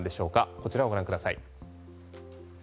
こちらをご覧ください。